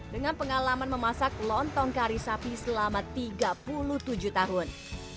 dengan pengalaman memasak lontong kari sapi selama tiga puluh tujuh tahun